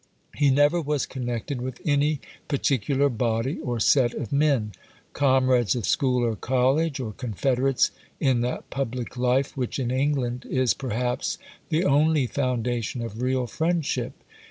He never was connected with any particular body or set of men; comrades of school or college, or confederates in that public life which, in England, is, perhaps, the only foundation of real friendship.